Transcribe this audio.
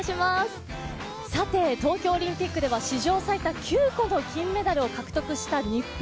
東京オリンピックでは史上最多、９個の金メダルを獲得した日本。